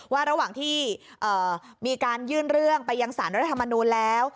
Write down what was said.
ระหว่างที่มีการยื่นเรื่องไปยังสารรัฐธรรมนูลแล้ว